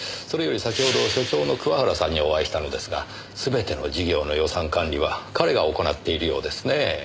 それより先ほど所長の桑原さんにお会いしたのですが全ての事業の予算管理は彼が行っているようですねえ。